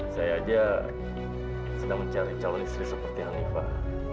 saya aja sedang mencari calon istri seperti hanifah